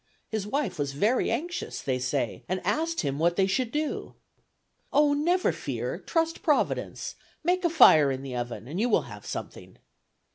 His wife was very anxious, they say, and asked him what they should do. 'Oh, never fear; trust Providence, make a fire in the oven, and you will have something.'